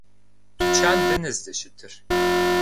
Тучан дэнэ здэщытыр?